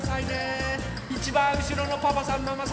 いちばんうしろのパパさんママさんまで。